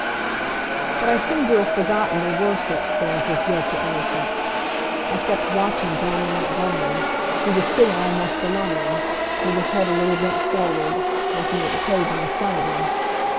But I seemed to have forgotten there were such things as guilt or innocence. I kept watching Johnny Montgomery, who was sitting almost alone, with his head a little bent forward, looking at the table in front of him.